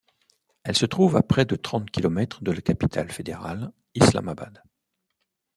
Elle se trouve à près de trente kilomètres de la capitale fédérale Islamabad.